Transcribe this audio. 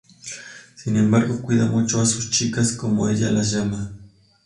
Sin embargo cuida mucho a "sus chicas", como ella las llama.